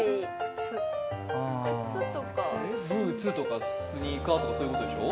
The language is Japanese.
ブーツとかスニーカーとかそういうことでしょ？